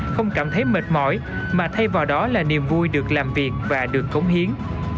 không cảm thấy mệt mỏi mà thay vào đó là niềm vui được làm việc và được cống hiến